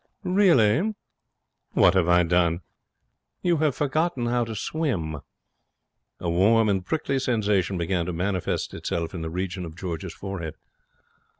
'Really?' 'What have I done?' 'You have forgotten how to swim.' A warm and prickly sensation began to manifest itself in the region of George's forehead.